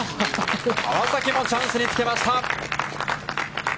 川崎もチャンスにつけました。